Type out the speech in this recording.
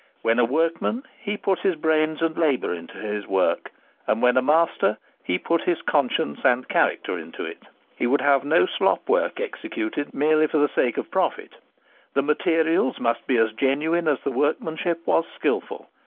When a workman he put his brains and labour into his work; and when a master he put his conscience and character into it. He would have no slop work executed merely for the sake of profit. The materials must be as genuine as the workmanship was skilful.